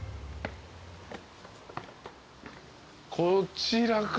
こちらか。